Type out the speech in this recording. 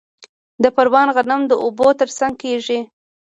د پروان غنم د اوبو ترڅنګ کیږي.